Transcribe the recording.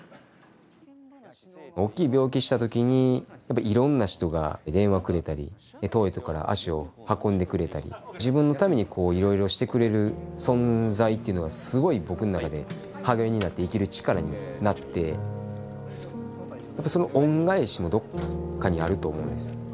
大きい病気した時にやっぱいろんな人が電話くれたり遠いとこから足を運んでくれたり自分のためにこういろいろしてくれる存在っていうのがすごい僕ん中で励みになって生きる力になってやっぱその恩返しもどっかにあると思うんです。